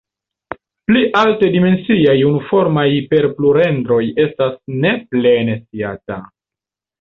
Pli alte dimensiaj unuformaj hiperpluredroj estas ne plene sciata.